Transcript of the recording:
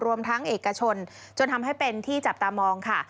รวมทั้งเอกชนจนทำให้เป็นที่จับตามองค่ะ